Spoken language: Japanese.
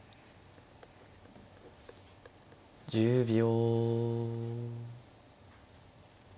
１０秒。